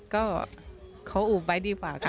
ก็ขออุบไว้ดีกว่าค่ะ